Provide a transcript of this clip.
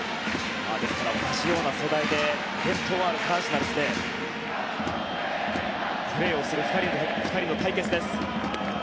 同じような世代でカージナルスでプレーをする２人の対決です。